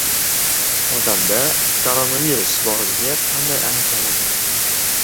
Odamda koronavirus borligi qanday aniqlanadi?